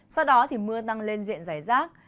sau đó thì mưa tăng lên diện rải rác